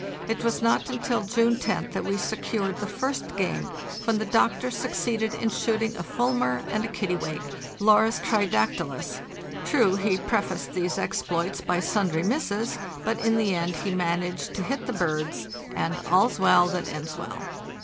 It was not until June roth that we secured the first game, when the doctor succeeded in shooting a fulmar and a kittiwake (Larus tridac tylus). True, he prefaced these exploits by sundry misses, but in the end he managed to hit the birds, and '"all's well that ends well."